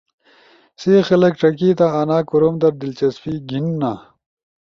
سی خلگ ݜیکیا آنا کوروم در دلچسپی گھیننا۔